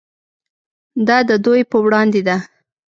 دا د دوی په وړاندې ده.